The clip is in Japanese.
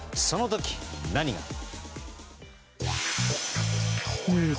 その時、何が。